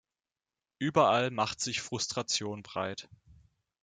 Überall macht sich Frustration breit.